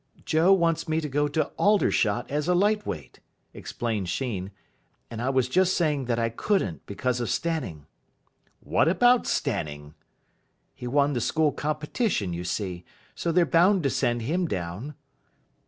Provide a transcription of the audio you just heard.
"Joe wants me to go to Aldershot as a light weight," explained Sheen, "and I was just saying that I couldn't, because of Stanning." "What about Stanning?" "He won the School Competition, you see, so they're bound to send him down."